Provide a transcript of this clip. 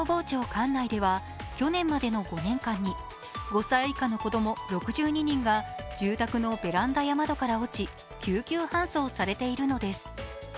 管内では去年までの５年間に５歳以下の子供、６２人が住宅のベランダや窓から落ち救急搬送されているのです。